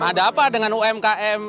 ada apa dengan umkm